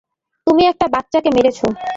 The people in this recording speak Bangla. তুমি একটি বাচ্চাকে মেরেছো।